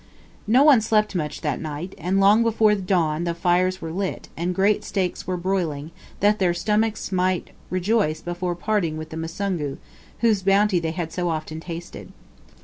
No one slept much that night, and long before the dawn the fires were lit, and great steaks were broiling, that their stomachs might rejoice before parting with the Musungu, whose bounty they had so often tasted.